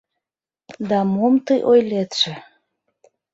— Да мом тый ойлетше!